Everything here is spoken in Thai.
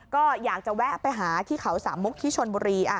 ก็อยากจะแวะไปหาที่เขาสามมุกที่ชนบุรี